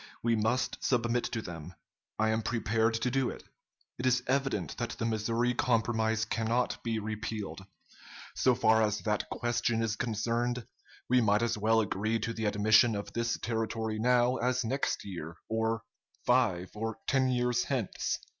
We must submit to them. I am prepared to do it. It is evident that the Missouri Compromise cannot be repealed. So far as that question is concerned, we might as well agree to the admission of this territory now as next year, or five or ten years hence."